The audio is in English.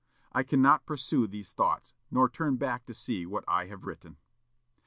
I cannot pursue these thoughts, nor turn back to see what I have written."